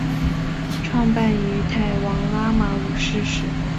创办于泰王拉玛五世时。